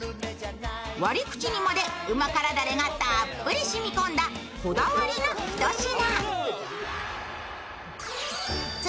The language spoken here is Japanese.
割り口にまで旨辛だれがしっかり染み込んだこだわりのひと品。